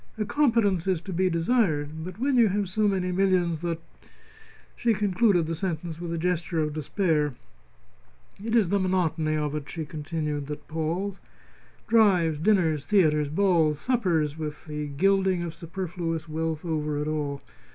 "A competence is to be desired. But when you have so many millions that !" She concluded the sentence with a gesture of despair. "It is the monotony of it," she continued, "that palls. Drives, dinners, theatres, balls, suppers, with the gilding of superfluous wealth over it all.